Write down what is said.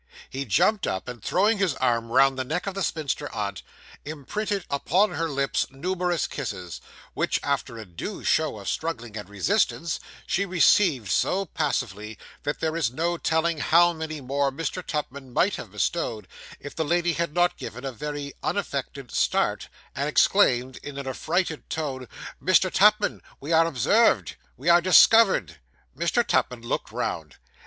He jumped up, and, throwing his arm round the neck of the spinster aunt, imprinted upon her lips numerous kisses, which after a due show of struggling and resistance, she received so passively, that there is no telling how many more Mr. Tupman might have bestowed, if the lady had not given a very unaffected start, and exclaimed in an affrighted tone 'Mr. Tupman, we are observed! we are discovered!' Mr. Tupman looked round.